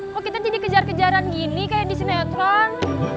kok kita jadi kejar kejaran gini kayak di sinetron